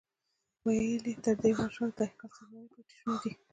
ویل یې تر دې دیوال شاته د هیکل سلیماني پاتې شوني دي.